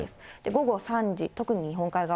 午後３時、特に日本海側。